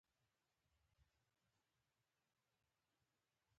محققین تر اوسه حیران دي.